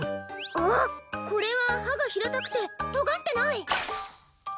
あっこれははがひらたくてとがってない！